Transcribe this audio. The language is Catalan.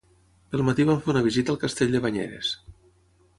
Pel matí vam fer una visita al castell de Banyeres.